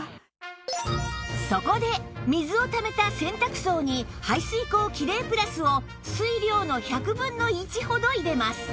そこで水をためた洗濯槽に排水口キレイプラスを水量の１００分の１ほど入れます